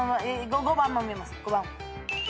５番も見ます。